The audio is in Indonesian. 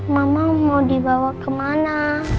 mama mau dibawa kemana